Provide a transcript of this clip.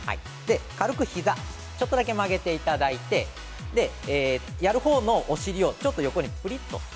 軽く膝ちょっとだけ曲げていただいてやるほうのお尻をちょっと横にぷりっと。